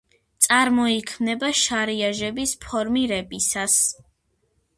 წარმოიქმნება შარიაჟების ფორმირებისას.